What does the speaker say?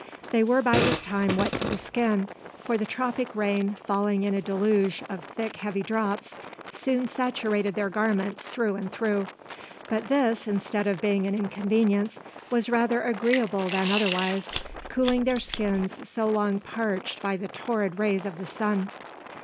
They were by this time wet to the skin; for the tropic rain, falling in a deluge of thick heavy drops, soon saturated their garments through and through. But this, instead of being an inconvenience, was rather agreeable than otherwise, cooling their skins so long parched by the torrid rays of the sun.